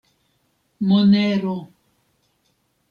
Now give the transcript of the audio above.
Monero.